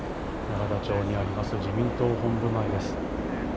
永田町にあります、自民党本部前です。